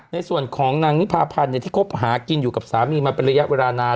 ในส่วนของนางนิพาพันธ์ที่คบหากินอยู่กับสามีมาเป็นระยะเวลานาน